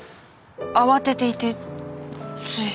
慌てていてつい。